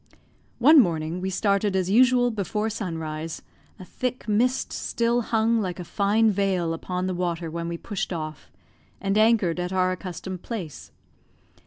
One morning we started as usual before sunrise; a thick mist still hung like a fine veil upon the water when we pushed off, and anchored at our accustomed place.